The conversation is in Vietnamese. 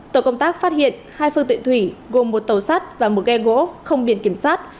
tổ công tác phát hiện hai phương tiện thủy gồm một tàu sắt và một ghe gỗ không biển kiểm soát